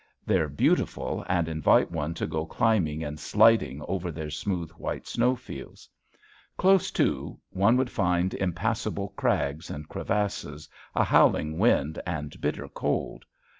They're beautiful and invite one to go climbing and sliding over their smooth white snowfields. Close to, one would find impassable crags and crevasses, a howling wind and bitter cold.